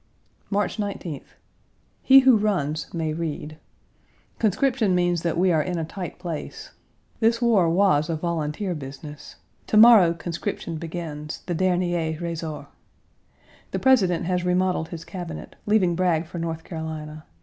March 19th. He who runs may read. Conscription means that we are in a tight place. This war was a volunteer business. To morrow conscription begins the dernier ressort. The President has remodeled his Cabinet, leaving Bragg for North Carolina.